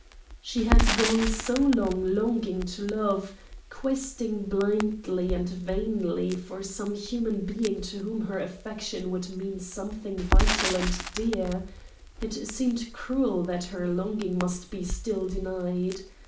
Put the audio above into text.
She had gone so long longing to love, questing blindly and vainly for some human being to whom her affection would mean something vital and dear—it seemed cruel that her longing must be still denied.